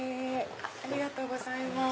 ありがとうございます。